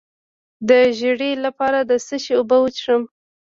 د ژیړي لپاره د څه شي اوبه وڅښم؟